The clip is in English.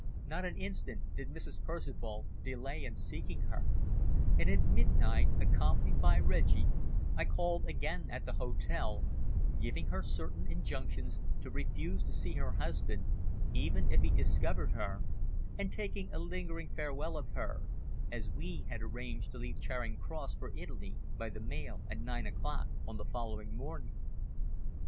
Not an instant did Mrs. Percival delay in seeking her, and at midnight, accompanied by Reggie, I called again at the hotel, giving her certain injunctions to refuse to see her husband, even if he discovered her, and taking a lingering farewell of her, as we had arranged to leave Charing Cross for Italy by the mail at nine o'clock on the following morning.